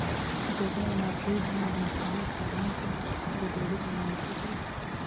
جګړه او ناپوهي زموږ د مطالعې فرهنګ ته ګډوډي رامنځته کړې.